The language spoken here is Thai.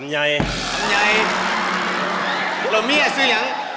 ห่ำยาย